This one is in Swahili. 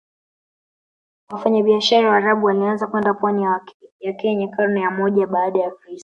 Wafanyabiashara Waarabu walianza kwenda pwani ya Kenya karne ya moja baada ya kristo